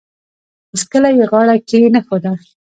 هیڅکله یې غاړه کښېنښوده.